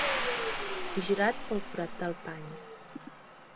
Vigilat pel forat del pany.